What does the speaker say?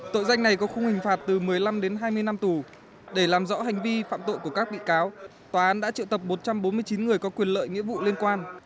tội danh này có khung hình phạt từ một mươi năm đến hai mươi năm tù để làm rõ hành vi phạm tội của các bị cáo tòa án đã triệu tập một trăm bốn mươi chín người có quyền lợi nghĩa vụ liên quan